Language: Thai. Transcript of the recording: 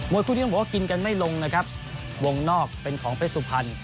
มันไม่ลงนะครับวงนอกเป็นของเฮดสุภัณฑ์